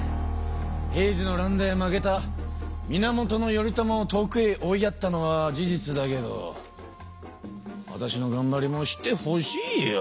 平治の乱で負けた源頼朝を遠くへ追いやったのは事実だけどわたしのがんばりも知ってほしいよ！